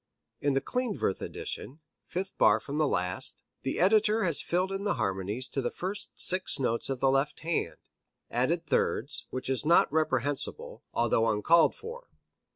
In the Klindworth edition, fifth bar from the last, the editor has filled in the harmonies to the first six notes of the left hand, added thirds, which is not reprehensible, although uncalled for.